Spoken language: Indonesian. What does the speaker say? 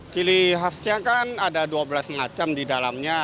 cili khasnya kan ada dua belas macam di dalamnya